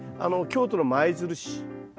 京都の舞鶴市。